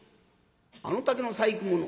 あの竹の細工物